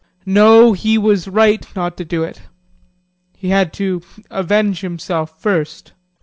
JEAN. No, he was right, not to do it he had to avenge himself first.